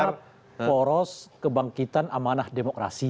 karena poros kebangkitan amanah demokrasi